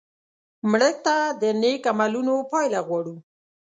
مړه ته د نیک عملونو پایله غواړو